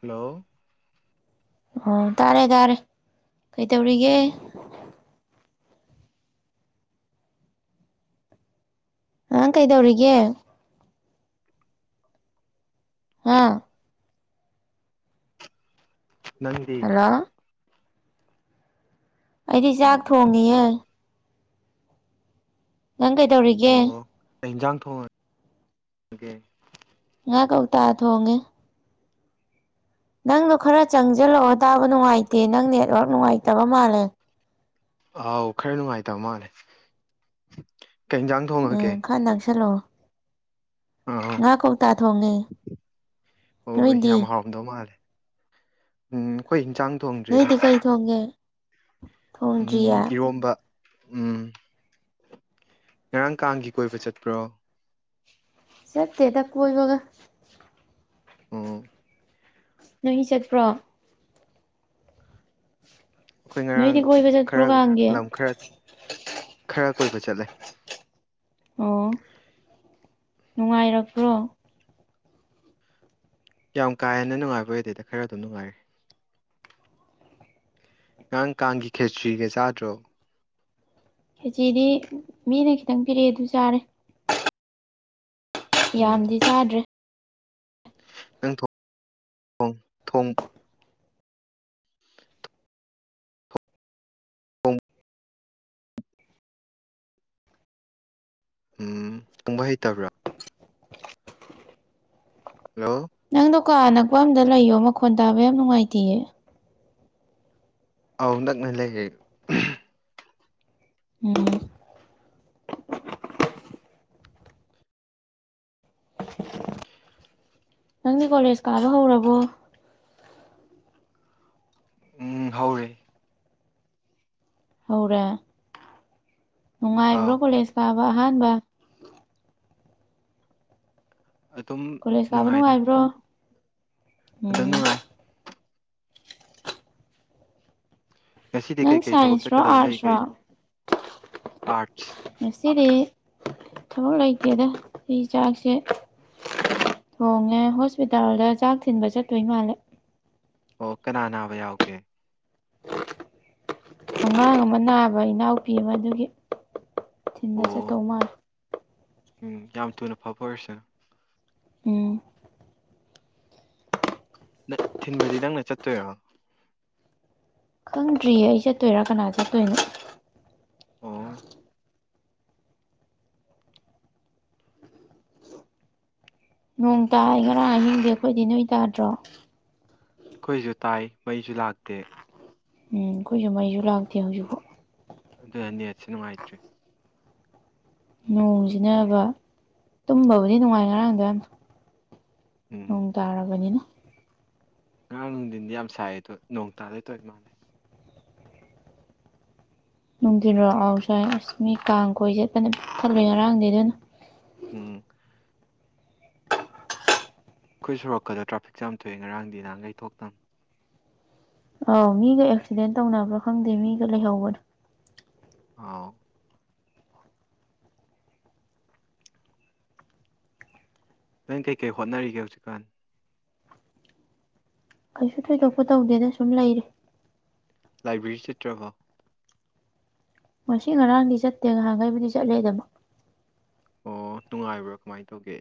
hello ꯑꯣ ꯇꯥꯔꯦ ꯇꯥꯔꯦ ꯀꯩꯇꯧꯔꯤꯒꯦ ꯑꯉꯥꯡ ꯀꯩꯗꯧꯔꯤꯒꯦ [unintelligible] ꯅꯪꯗꯤ ꯍꯜꯂꯣ ꯑꯩꯗꯤ ꯆꯥꯛ ꯊꯣꯡꯉꯤꯌꯦ ꯅꯪ ꯀꯩꯗꯧꯔꯤꯒꯦ ꯑꯣ ꯀꯩ ꯏꯟꯖꯥꯡ ꯊꯣꯡꯉꯒꯦ ꯉꯥ ꯀꯧꯇꯥ ꯊꯣꯡꯉꯦ ꯅꯪꯗꯣ ꯈꯔ ꯆꯪꯖꯜꯂꯛꯑꯣ ꯇꯥꯕ ꯅꯨꯡꯉꯥꯏꯇꯦ ꯅꯪ ꯅꯦꯠꯋꯔꯛ ꯅꯨꯡꯉꯥꯏꯇꯕ ꯃꯥꯜꯂꯦ ꯑꯥꯎ ꯈꯔ ꯅꯨꯡꯉꯥꯏꯇꯕ ꯃꯥꯜꯂꯦ ꯀꯩꯖꯥꯡ ꯎꯝ ꯈꯔ ꯅꯛꯁꯜꯂꯛꯑꯣ ꯑꯥ ꯉꯥ ꯀꯧꯇꯥ ꯊꯣꯡꯉꯦ ꯅꯣꯏꯗꯤ ꯎꯝꯗꯧ ꯃꯥꯜꯂꯦ ꯎꯝ ꯑꯩꯈꯣꯏ ꯍꯤꯟꯁꯥꯡ ꯊꯣꯡꯗ꯭ꯔꯤꯗ ꯊꯣꯡꯉꯦ ꯎꯝ ꯏꯔꯣꯝꯕ ꯎꯝ ꯉꯔꯥꯡ ꯀꯥꯡꯒꯤ ꯀꯣꯏꯕ ꯆꯠꯄ꯭ꯔꯣ ꯆꯠꯇꯦꯗ ꯀꯣꯏꯕꯒ ꯎꯝ ꯅꯣꯏꯒꯤ ꯆꯠꯄ꯭ꯔꯣ ꯑꯈꯣꯏ ꯉꯔꯥꯡ ꯅꯣꯏꯗꯤ ꯀꯣꯏꯕ ꯆꯠꯄ꯭ꯔꯣ ꯈꯔ ꯀꯥꯡꯒꯤ ꯂꯝ ꯈꯔ ꯈꯔ ꯀꯣꯏꯕ ꯆꯠꯂꯦ ꯑꯣ ꯅꯨꯡꯉꯥꯏꯔꯛꯄ꯭ꯔꯣ ꯌꯥꯝ ꯀꯥ ꯍꯦꯟꯅ ꯅꯨꯡꯉꯥꯏꯕ ꯑꯣꯏꯗꯦꯗ ꯈꯔ ꯑꯗꯨꯝ ꯅꯨꯡꯉꯥꯏꯔꯦ ꯉꯔꯥꯡ ꯀꯥꯡꯒꯤ ꯈꯦꯆ꯭ꯔꯤꯒ ꯆꯥꯗ꯭ꯔꯣ ꯈꯦꯆꯤꯗꯤ ꯃꯤꯅ ꯈꯤꯇꯪ ꯄꯤꯔꯛꯑꯦ ꯑꯗꯨ ꯆꯥꯔꯦ ꯎꯝ ꯌꯥꯝꯗꯤ ꯆꯥꯗ꯭ꯔꯦ ꯅꯪ ꯊꯣꯛ [unintelligible] ꯊꯣꯡ [unintelligible] ꯎ ꯀꯪꯕ ꯍꯩꯇꯕ꯭ꯔꯥ ꯍꯜꯂꯣ ꯅꯪꯗꯨ ꯀꯥ ꯑꯅꯛꯄ ꯑꯝꯗ ꯂꯩꯌꯣ ꯃꯈꯣꯟ ꯇꯥꯕ ꯌꯥꯝ ꯅꯨꯡꯉꯥꯏꯇꯤꯌꯦ ꯑꯥꯎ ꯅꯛꯅ ꯂꯩꯔꯦ [unintelligible] ꯎꯝ ꯅꯪꯗꯤ ꯀꯣꯂꯦꯖ ꯀꯥꯕ ꯍꯧꯔꯕꯣ ꯎꯝ ꯍꯧꯔꯦ ꯍꯧꯔꯦ ꯅꯨꯡꯉꯥꯏꯕ꯭ꯔꯣ ꯑꯥꯎ ꯀꯣꯂꯦꯖ ꯀꯥꯕ ꯑꯍꯥꯟꯕ ꯑꯗꯨꯝ ꯀꯣꯂꯦꯁ ꯀꯥꯕ ꯅꯨꯡꯉꯥꯏꯕ꯭ꯔꯣ ꯑꯗꯨ ꯎꯝ ꯅꯨꯡꯉꯥꯏ ꯉꯁꯤꯗꯤ ꯅꯪ ꯀꯩꯀꯩ ꯊꯕꯛ ꯁꯥꯏꯟꯁꯔꯣ ꯆꯠꯀꯗꯕ ꯂꯩꯒꯦ ꯑꯥꯔꯠꯁꯔꯣ ꯑꯥꯔꯠ ꯉꯁꯤꯗꯤ ꯊꯕꯛ ꯂꯩꯇꯦꯗ ꯑꯩ ꯆꯥꯛꯁꯦ [inaudible] ꯊꯣꯡꯉꯦ ꯍꯣꯁꯄꯤꯇꯥꯜꯗ ꯆꯥꯛ ꯊꯤꯟꯕ ꯆꯠꯇꯣꯏ ꯃꯥꯜꯂꯦ ꯑꯣ ꯀꯅꯥ ꯅꯥꯕ ꯌꯥꯎꯒꯦ ꯑꯉꯥꯡ ꯑꯃ ꯅꯥꯕ ꯏꯅꯥꯎꯄꯤ ꯑꯃꯗꯨꯒꯤ ꯊꯤꯟꯕ ꯑꯣ ꯆꯠꯇꯧ ꯃꯥꯜꯂꯤ ꯎꯝ ꯌꯥꯝ ꯊꯨꯅ ꯐꯕ ꯑꯣꯏꯔꯁꯅꯨ ꯎꯝ ꯅ ꯊꯤꯟꯕꯗꯤ ꯅꯪꯅ ꯆꯠꯇꯣꯏꯔꯣ ꯈꯪꯗ꯭ꯔꯤꯌꯦ ꯑꯩ ꯆꯠꯇꯣꯏꯔꯥ ꯀꯅꯥ ꯆꯠꯇꯣꯏꯅꯣ ꯑꯣ ꯅꯣꯡ ꯇꯥꯏ ꯉꯔꯥꯡ ꯑꯍꯤꯡꯗꯤ ꯑꯈꯣꯏꯗꯤ ꯅꯣꯏ ꯇꯥꯗ꯭ꯔꯣ ꯑꯩꯈꯣꯏꯁꯨ ꯇꯥꯏ ꯃꯩꯁꯨ ꯂꯥꯛꯇꯦ ꯎꯝ ꯑꯩꯈꯣꯏꯁꯨ ꯃꯩꯁꯨ ꯂꯥꯛꯇꯦ ꯍꯧꯖꯤꯛꯐꯨ ꯑꯗꯨꯅ ꯅꯦꯠꯁꯦ ꯅꯨꯡꯉꯥꯏꯇ꯭ꯔꯤ ꯅꯣꯡꯁꯤꯅꯕ ꯇꯨꯝꯕꯕꯨꯗꯤ ꯅꯨꯡꯉꯥꯏ ꯉꯔꯥꯡꯗꯣ ꯌꯥꯝ ꯅꯣꯡ ꯎꯝ ꯇꯥꯔꯕꯅꯤꯅ ꯉꯔꯥꯡ ꯅꯨꯡꯗꯤꯟꯗꯤ ꯌꯥꯝ ꯁꯥꯏꯑ ꯗꯣ ꯅꯣꯡ ꯇꯥꯗꯣꯏ ꯇꯧꯔꯤ ꯃꯥꯜꯂꯦ ꯅꯨꯡꯗꯤꯜꯔꯣ ꯑꯥꯎ ꯁꯥꯏ ꯑꯁ ꯃꯤ ꯀꯥꯡ ꯀꯣꯏ ꯆꯦꯠꯄꯅ [unintelligible] ꯉꯔꯥꯡꯗꯤ ꯑꯗꯨꯟ ꯎꯝ ꯑꯩꯈꯣꯏ ꯁꯣꯔꯣꯛꯀꯗꯣ ꯇ꯭ꯔꯥꯐꯤꯛ ꯖꯥꯝ ꯊꯣꯛꯑ ꯉꯔꯥꯡꯗꯤ ꯅꯍꯥꯟꯈꯩ ꯊꯣꯛꯇꯝ ꯑꯧ ꯃꯤꯒ ꯑꯦꯛꯁꯤꯗꯦꯟ ꯇꯧꯅꯕ꯭ꯔꯥ ꯈꯪꯗꯦ ꯃꯤꯒ ꯂꯩꯍꯧꯕꯅꯦ ꯑꯥꯎ ꯅꯣ ꯀꯩ ꯀꯩ ꯍꯣꯠꯅꯔꯤꯒꯦ ꯍꯧꯖꯤꯛꯀꯥꯟ ꯀꯩꯁꯨ ꯊꯣꯏꯗꯣꯛꯄ ꯇꯧꯗꯦꯗ ꯁꯨꯝ ꯂꯩꯔꯤ ꯂꯥꯏꯕ꯭ꯔꯦꯔꯤ ꯆꯠꯇ꯭ꯔꯕꯣ ꯉꯁꯤ ꯉꯔꯥꯡꯗꯤ ꯆꯠꯇꯦ ꯉꯍꯥꯟꯒꯩꯕꯨꯗꯤ ꯆꯠꯂꯦ ꯗꯨꯝ ꯑꯣ ꯅꯨꯡꯉꯥꯏꯕ꯭ꯔ ꯀꯃꯥꯏꯟ ꯇꯧꯒꯦ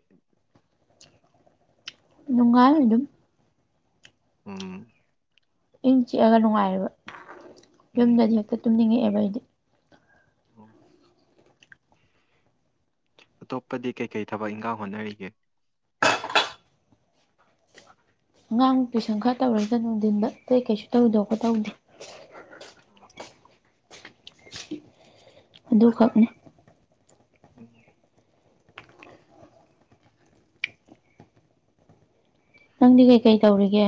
ꯅꯨꯡꯉꯥꯏ ꯑꯗꯨꯝ ꯎꯝ ꯏꯪ ꯆꯤꯛꯑꯒ ꯅꯨꯡꯉꯥꯏꯔꯦꯕ ꯎꯝ ꯌꯨꯝꯗꯗꯤ ꯍꯦꯛꯇ ꯇꯨꯝꯅꯤꯡꯉꯛꯑꯦꯕ ꯑꯩꯗꯤ ꯑꯣ ꯑꯇꯣꯞꯄꯗꯤ ꯀꯩꯀꯩ ꯊꯕꯛ ꯏꯪꯈꯥꯡ ꯍꯣꯠꯅꯔꯤꯒꯦ ꯑꯉꯥꯡ ꯇꯨꯏꯁꯟ ꯈꯔ ꯇꯧꯔꯩꯗ ꯅꯨꯡꯊꯤꯟꯗ ꯑꯇꯩ ꯀꯩꯁꯨ ꯇꯧꯗꯣꯀꯣ ꯇꯧꯗꯦ ꯑꯗꯨꯈꯛꯅꯤ ꯎꯝ ꯅꯪꯗꯤ ꯀꯩꯀꯩ ꯇꯧꯔꯤꯒꯦ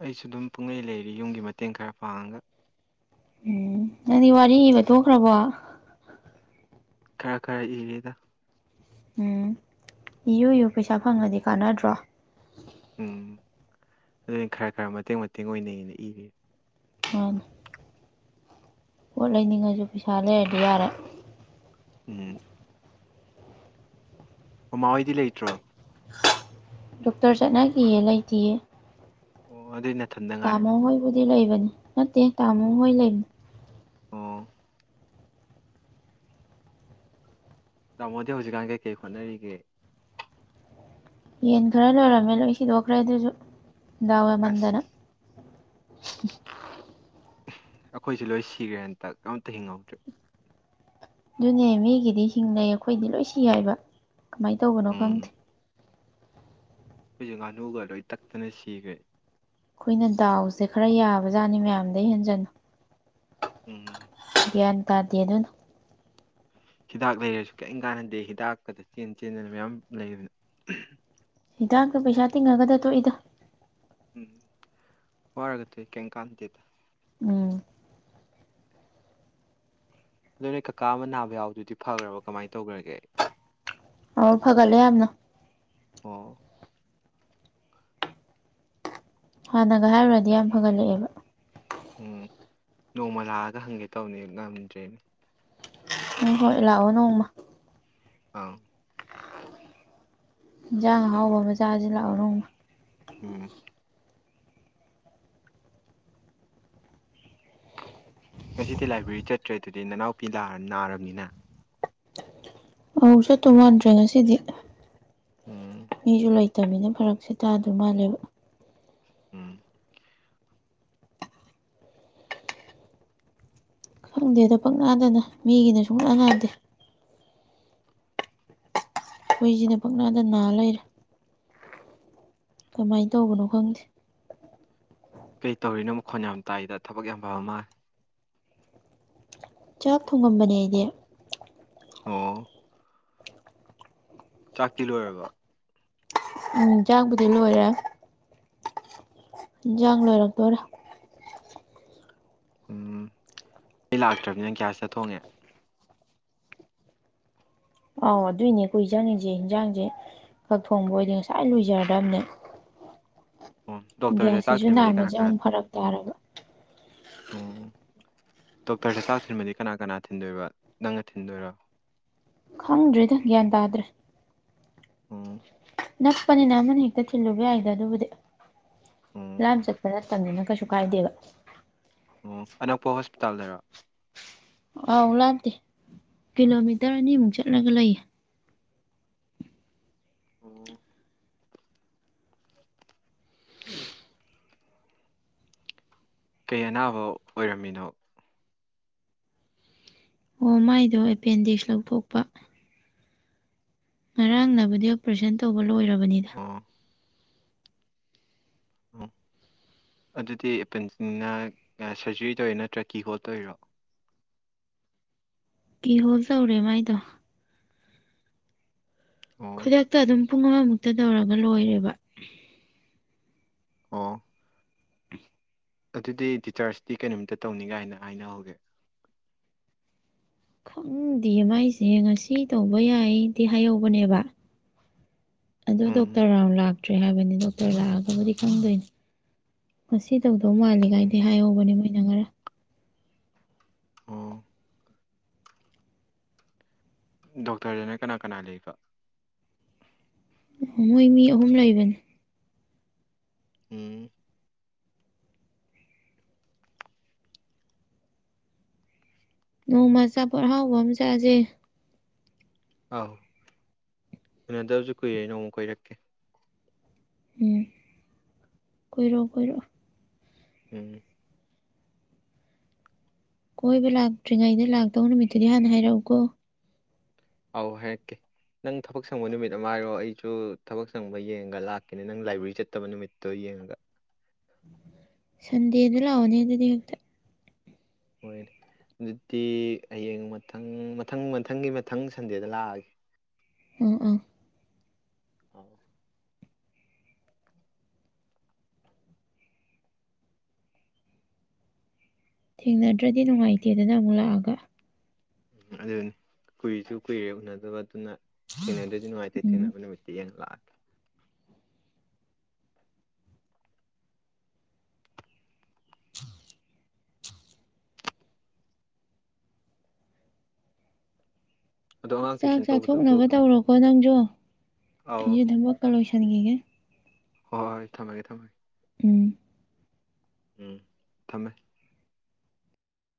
ꯑꯩꯁꯨ ꯑꯗꯨꯝ ꯄꯨꯡꯂꯩ ꯂꯩꯔꯤ ꯌꯨꯝꯒꯤ ꯃꯇꯦꯡ ꯈꯔ ꯄꯥꯡꯉꯒ [unintelligible] ꯅꯪꯗꯤ ꯋꯥꯔꯤ ꯏꯕ ꯊꯣꯛꯈ꯭ꯔꯕꯣ ꯈꯔ ꯈꯔ ꯏꯔꯦꯗ ꯎꯝ ꯏꯌꯨ ꯌꯨ ꯄꯩꯁꯥ ꯐꯪꯉꯗꯤ ꯀꯥꯟꯅꯗ꯭ꯔꯣ ꯎꯝ ꯑꯗꯨꯅꯤ ꯈꯔ ꯈꯔ ꯃꯇꯦꯡ ꯃꯇꯦꯡ ꯑꯣꯏꯅꯩꯅ ꯏꯔꯤꯅꯤ ꯃꯥꯅꯤ ꯄꯣꯠ ꯂꯩꯅꯤꯡꯉꯁꯨ ꯄꯩꯁꯥ ꯂꯩꯔꯗꯤ ꯌꯥꯔꯦ ꯎꯝ ꯃꯃꯥ ꯍꯣꯏꯗꯤ ꯂꯩꯇ꯭ꯔꯣ ꯗꯣꯛꯇꯔ ꯆꯠꯅꯈꯤꯌꯦ ꯂꯩꯇꯤꯌꯦ ꯑꯣ ꯑꯗꯨꯢ ꯅ ꯇꯥꯃꯣ ꯍꯣꯏꯕꯨꯗꯤ ꯂꯩꯕꯅꯤ ꯅꯠꯇꯦ ꯇꯥꯃꯣ ꯑꯣ ꯍꯣꯏ ꯂꯩ ꯑꯣ ꯇꯥꯃꯣꯗꯤ ꯍꯧꯖꯤꯛꯀꯥꯟ ꯀꯩꯀꯩ ꯍꯣꯠꯅꯔꯤꯒꯦ ꯌꯦꯟ ꯈꯔ ꯂꯣꯏꯔꯝꯃꯦ ꯂꯣꯏ ꯁꯤꯗꯣꯛꯈ꯭ꯔꯦ ꯑꯗꯨꯖꯨ ꯗꯥꯎ ꯑꯁ ꯌꯥꯃꯟꯗꯅ [inaudible] ꯑꯩꯈꯣꯏꯁꯨ ꯂꯣꯏ ꯁꯤꯒ꯭ꯔꯦ ꯍꯟꯇꯛ ꯑꯝꯇ ꯍꯤꯡꯍꯧꯗ꯭ꯔꯦ ꯑꯗꯨꯅꯦ ꯃꯤꯒꯤꯗꯤ ꯍꯤꯡꯅꯩ ꯑꯩꯈꯣꯏꯗꯤ ꯂꯣꯏ ꯁꯤ ꯍꯥꯏꯕ ꯀꯃꯥꯏꯅ ꯇꯧꯕꯅꯣ ꯈꯪꯗꯦ ꯈꯣꯏꯖꯨ ꯉꯥꯅꯨꯒ ꯂꯣꯏ ꯇꯠꯇꯅ ꯁꯤꯒ꯭ꯔꯦ ꯈꯣꯏꯅ ꯗꯥꯎꯁꯦ ꯈꯔ ꯌꯥꯕꯖꯥꯅꯤ ꯃꯌꯥꯝꯗꯩ ꯍꯦꯟꯖꯟꯅ ꯎꯝ ꯒꯌꯥꯟ ꯇꯥꯗꯦ ꯑꯗꯨꯅ ꯍꯤꯗꯥꯛ ꯂꯩꯔꯁꯨ ꯀꯤꯝ ꯀꯥꯟꯅꯗꯦ ꯍꯤꯗꯥꯛꯀꯥꯗꯣ ꯆꯦꯟ ꯆꯦꯟꯗꯅ ꯃꯌꯥꯝ ꯂꯩꯗꯅ ꯍꯤꯗꯥꯛꯇ ꯄꯩꯁꯥ ꯇꯤꯡꯉꯥꯒꯗ ꯇꯣꯛꯏꯗ ꯎꯝ ꯋꯥꯔꯒ ꯇꯣꯛꯢ ꯀꯩꯝ ꯀꯥꯟꯗꯦꯗ ꯎꯝ ꯑꯗꯨ ꯅꯣꯏ ꯀꯀꯥ ꯑꯃ ꯅꯥꯕ ꯌꯥꯎꯕꯗꯨꯗꯤ ꯐꯒ꯭ꯔꯕꯣ ꯀꯃꯥꯏꯅ ꯇꯧꯒ꯭ꯔꯒꯦ ꯑꯣ ꯐꯒꯠꯂꯦ ꯌꯥꯝꯅ ꯑꯣ ꯍꯥꯟꯅꯒ ꯍꯥꯏꯔꯨꯔꯗꯤ ꯌꯥꯝ ꯐꯒꯠꯂꯛꯑꯦꯕ ꯎꯝ ꯅꯣꯡꯃ ꯂꯥꯛꯑꯒ ꯍꯪꯒꯦ ꯇꯧꯅꯦ ꯉꯝꯗ꯭ꯔꯦ ꯎꯝ ꯍꯣꯏ ꯂꯥꯛꯑꯣ ꯅꯣꯡꯃ ꯑꯥꯎ ꯍꯤꯟꯖꯥꯡ ꯑꯍꯥꯎꯕ ꯑꯃ ꯃꯆꯥꯖꯤ ꯂꯥꯛꯑꯣ ꯅꯣꯡꯃ ꯎꯝ ꯉꯁꯤꯗꯤ ꯂꯥꯏꯕ꯭ꯔꯦꯔꯤ ꯆꯠꯇ꯭ꯔꯦ ꯑꯗꯨꯗꯤ ꯅꯅꯥꯎꯄꯤ ꯂꯥꯛ ꯅꯥꯔꯕꯅꯤꯅ ꯑꯧ ꯆꯠꯇꯧ ꯃꯥꯟꯗ꯭ꯔꯦ ꯉꯁꯤꯗꯤ ꯎꯝ ꯃꯤꯖꯨ ꯂꯩ ꯇꯥꯃꯤꯅ ꯐꯔꯛꯁꯦ ꯇꯥꯗꯣꯏ ꯃꯥꯜꯂꯦꯕ ꯎꯝ ꯈꯪꯗꯦꯗ ꯄꯪ ꯅꯥꯗ ꯅꯥꯢ ꯃꯤꯒꯤꯅ ꯁꯨꯡꯅꯥ ꯅꯥꯥꯗꯦ ꯈꯣꯏꯖꯤꯅ ꯄꯪꯅꯥꯗ ꯅꯥ ꯂꯩꯔꯦ ꯀꯃꯥꯏ ꯇꯧꯕꯅꯣ ꯈꯪꯗꯦ ꯀꯩ ꯇꯧꯔꯤꯅꯣ ꯃꯈꯣꯟ ꯌꯥꯝ ꯇꯥꯏꯗ ꯊꯕꯛ ꯌꯥꯝ ꯐꯕ ꯃꯥ ꯆꯥꯛ ꯊꯣꯡꯉꯝꯕꯅꯦ ꯑꯩꯗꯤ ꯑꯣ ꯆꯥꯛꯇꯤ ꯂꯣꯏꯔꯕ ꯎꯝ ꯆꯥꯛꯕꯨꯗꯤ ꯂꯣꯏꯔꯦ ꯍꯤꯟꯖꯥꯡ ꯂꯣꯏꯔꯛꯗꯣꯔꯦ ꯎꯝ ꯃꯩ ꯂꯥꯛꯇ꯭ꯔꯥꯃꯤꯅ ꯒꯌꯥꯁꯇ ꯊꯣꯡꯉꯦ ꯑꯧ ꯑꯗꯨꯏꯅꯦ ꯀꯨꯏ ꯆꯪꯉꯤꯁꯦ ꯌꯦꯟꯖꯥꯡꯁꯦ ꯈꯛ ꯊꯣꯡꯕ ꯑꯣꯏꯗꯤ ꯉꯁꯥꯏ ꯎꯝ ꯂꯣꯏꯖꯔꯗꯕꯅꯦ ꯑꯣ ꯗꯣꯛꯇꯔꯗ ꯆꯥꯛ ꯒ꯭ꯌꯥꯁꯁꯤꯁꯨ ꯊꯤꯟꯕꯗꯤ ꯀꯅꯥ ꯅꯥꯝꯃꯁꯦ ꯀꯅꯥ ꯑꯃꯨꯛ ꯐꯔꯛ ꯇꯥꯔꯕ ꯎꯝ ꯗꯣꯛꯇꯔ ꯆꯥꯛ ꯊꯤꯟꯕꯗꯤ ꯀꯅꯥ ꯀꯅꯥ ꯊꯤꯟꯗꯣꯏꯕ ꯅꯪꯅ ꯊꯤꯟꯗꯣꯏꯔꯣ ꯈꯪꯗ꯭ꯔꯦꯗ ꯒ꯭ꯌꯥꯟ ꯇꯥꯗ꯭ꯔꯦ ꯑꯣ ꯅꯛꯄꯅꯤꯅ ꯑꯃꯅ ꯍꯦꯛꯇ ꯊꯤꯜꯂꯨꯕ ꯌꯥꯏꯗ ꯑꯗꯨꯕꯨꯗꯤ ꯎꯝ ꯂꯥꯝ ꯆꯠꯄ ꯅꯠꯇꯝꯅꯤꯅ ꯀꯩꯁꯨ ꯀꯥꯏꯗꯦꯕ ꯑꯣ ꯑꯅꯛꯄ ꯍꯣꯁꯄꯤꯇꯥꯜꯗꯔꯣ ꯑꯥꯎ ꯂꯥꯞꯇꯦ ꯀꯤꯂꯣꯃꯤꯇꯔ ꯑꯅꯤꯃꯨꯛ ꯆꯠꯂꯒ ꯂꯩꯌꯦ ꯑꯣ ꯀꯩ ꯑꯅꯥꯕ ꯑꯣꯏꯔꯝꯃꯤꯅꯣ ꯑꯣ ꯃꯥꯏꯗꯣ ꯑꯦꯄꯦꯟꯗꯤꯛꯁ ꯂꯧꯊꯣꯛꯄ ꯉꯔꯥꯡꯅꯕꯨꯗꯤ ꯑꯣꯄ꯭ꯔꯦꯁꯟ ꯇꯧꯕ ꯂꯣꯏꯔꯕꯅꯤꯗ ꯑꯣ ꯑꯣ ꯑꯗꯨꯗꯤ ꯑꯦꯄꯦꯟꯗꯤꯛꯅꯤꯅ ꯀ ꯁꯔꯖꯔꯤ ꯇꯧꯔꯤ ꯅꯠꯇ꯭ꯔ ꯀꯤ ꯍꯣꯜ ꯇꯧꯔꯤꯔꯣ ꯀꯤꯍꯣꯜ ꯇꯧꯔꯦ ꯃꯥꯏꯗꯣ ꯑꯣ ꯈꯨꯗꯛꯇ ꯑꯗꯨꯝ ꯄꯨꯡ ꯑꯃꯃꯨꯛꯇ ꯇꯧꯔꯒ ꯂꯣꯏꯔꯦꯕ ꯑꯣ ꯑꯗꯨꯗꯤ ꯇꯤꯆꯔꯁꯇꯤ ꯀꯩ ꯅꯨꯃꯤꯇ ꯇꯧꯅꯤꯒꯥꯏꯅ ꯍꯥꯏꯅꯍꯧꯒꯦ ꯈꯪꯗꯤꯌꯦ ꯃꯥꯏꯁꯦ ꯉꯁꯤ ꯇꯧꯕ ꯌꯥꯏꯗꯤ ꯍꯥꯏꯍꯧꯕꯅꯦꯕ ꯑꯗꯨ ꯎꯝ ꯗꯣꯛꯇꯔ ꯔꯥꯎꯟ ꯂꯥꯛꯇ꯭ꯔꯤ ꯍꯥꯏꯕꯅꯤ ꯗꯣꯛꯇꯔ ꯂꯥꯛꯑꯒꯕꯨꯗꯤ ꯈꯪꯗꯣꯏꯅꯦ ꯉꯁꯤ ꯇꯧꯗꯧ ꯃꯥꯜꯂꯤ ꯒꯥꯏꯗꯤ ꯑꯣ ꯍꯥꯏꯍꯧꯕꯅꯦ ꯃꯣꯏꯅ ꯉꯔꯥꯡ ꯑꯣ ꯗꯣꯛꯇꯔꯗꯅ ꯀꯅꯥ ꯀꯅꯥ ꯂꯩꯕ ꯑ ꯃꯣꯏ ꯃꯤ ꯑꯍꯨꯝ ꯂꯩꯕꯅꯦ ꯎꯝ ꯅꯣꯡꯃ ꯑꯆꯥꯄꯣꯠ ꯑꯍꯥꯎꯕ ꯑꯃ ꯆꯥꯖꯦ ꯑꯥꯎ ꯎꯟꯅꯗꯕꯖꯨ ꯀꯨꯏꯔꯦ ꯅꯣꯡꯃ ꯀꯣꯏꯔꯛꯀꯦ ꯎꯝ ꯀꯣꯏꯔꯛꯑꯣ ꯀꯣꯏꯔꯛꯑꯣ ꯎꯝ ꯀꯣꯏꯕ ꯂꯥꯛꯇ꯭ꯔꯤꯉꯩꯗ ꯂꯥꯛꯇꯧ ꯅꯨꯃꯤꯠꯇꯨꯗꯤ ꯍꯥꯟꯅ ꯍꯥꯏꯔꯛꯎꯀꯣ ꯑꯥꯎ ꯍꯥꯏꯔꯛꯀꯦ ꯅꯪ ꯊꯕꯛ ꯁꯪꯕ ꯅꯨꯃꯤꯠ ꯑꯃ ꯍꯥꯏꯔꯣ ꯑꯩꯖꯨ ꯊꯕꯛ ꯁꯪꯕ ꯌꯦꯡꯉꯒ ꯂꯥꯛꯀꯦꯅꯦ ꯅꯪ ꯂꯥꯏꯕ꯭ꯔꯦꯔꯤ ꯆꯠꯇꯕ ꯅꯨꯃꯤꯠꯇꯣ ꯌꯦꯡꯉꯒ ꯁꯟꯗꯦꯗ ꯂꯥꯛꯑꯣꯅꯦ ꯑꯗꯨꯗꯤ ꯍꯦꯛꯇ ꯍꯣꯏꯅꯦ ꯑꯗꯨꯗꯤ ꯍꯌꯦꯡ ꯃꯊꯪ ꯃꯊꯪ ꯃꯊꯪꯒꯤ ꯃꯊꯪ ꯁꯟꯗꯦꯗ ꯂꯥꯛꯑꯒꯦ ꯑꯥ ꯑꯥ ꯑꯥꯎ ꯊꯦꯡꯅꯗ꯭ꯔꯗꯤ ꯅꯨꯡꯉꯥꯏꯇꯦꯗꯅ ꯑꯃꯨꯛ ꯂꯥꯛꯑꯒ ꯑꯗꯨꯅꯤ ꯀꯨꯏꯁꯨ ꯀꯨꯏꯔꯦ ꯎꯟꯅꯗꯕ ꯑꯗꯨꯅ ꯊꯦꯡꯅꯗ꯭ꯔꯗꯤ ꯅꯨꯡꯉꯥꯏꯇꯦ ꯎꯝ ꯊꯦꯡꯅꯕ ꯅꯨꯃꯤꯠꯇ ꯌꯦꯡꯉ ꯂꯥꯛꯑ ꯑꯗꯣ ꯑꯉꯥꯡ ꯆꯥꯛ ꯇꯨꯏꯁꯟ ꯇꯧꯕꯗꯨꯕꯨ ꯆꯥꯊꯣꯛꯅꯕ ꯀꯝ ꯇꯧꯔꯣꯀꯣ ꯅꯪꯖꯨ ꯑꯧ ꯑꯩꯖꯨ ꯊꯕꯛꯀ ꯂꯣꯏꯁꯟꯒꯤꯒꯦ ꯍꯣꯏ ꯊꯝꯃꯒꯦ ꯊꯝꯃꯒꯦ ꯎꯝ ꯎꯝ ꯊꯝꯃꯦ